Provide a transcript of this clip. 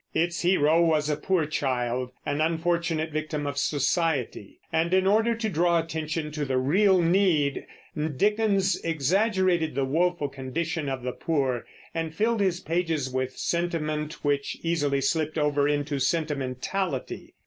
Its hero was a poor child, the unfortunate victim of society; and, in order to draw attention to the real need, Dickens exaggerated the woeful condition of the poor, and filled his pages with sentiment which easily slipped over into sentimentality.